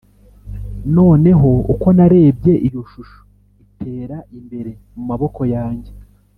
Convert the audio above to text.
noneho uko narebye iyo shusho itera imbere mumaboko yanjye,